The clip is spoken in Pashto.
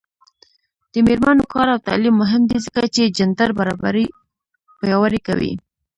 د میرمنو کار او تعلیم مهم دی ځکه چې جنډر برابري پیاوړې کوي.